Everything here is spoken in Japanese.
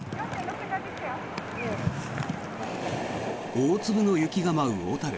大粒の雪が舞う小樽。